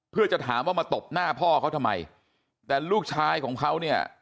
เพื่อจะถามว่ามาตบหน้าพ่อเขาทำไมแต่ลูกชายของเขาเนี่ย